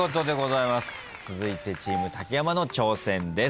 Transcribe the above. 続いてチーム竹山の挑戦です。